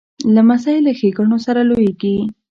لمسی له ښېګڼو سره لویېږي.